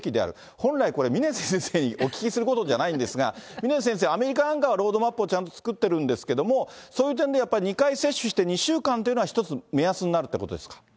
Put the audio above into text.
本来、これ、峰先生にお聞きすることじゃないんですが、峰先生、アメリカなんかはロードマップをちゃんと作ってるんですけれども、そういう点でやっぱり、２回接種して２週間というのは、一つ目安になるということですか。